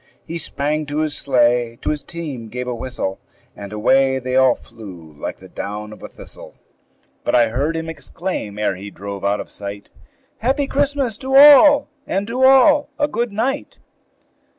He sprang to his sleigh, to his team gave a whistle, And away they all flew like the down of a thistle; But I heard him exclaim, ere he drove out of sight, "Happy Christmas to all, and to all a good night!"